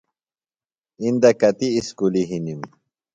اِندہ کتیۡ اُسکُلیۡ ہِنِم؟